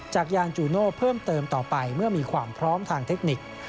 ยานจูโน่เพิ่มเติมต่อไปเมื่อมีความพร้อมทางเทคนิค